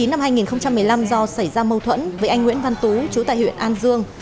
năm hai nghìn một mươi năm do xảy ra mâu thuẫn với anh nguyễn văn tú chú tại huyện an dương